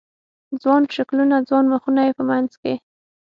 ځوان شکلونه، ځوان مخونه یې په منځ کې